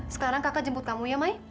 sekarang kakak jemput kamu ya mai